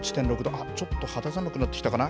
あっ、ちょっと肌寒くなってきたかな。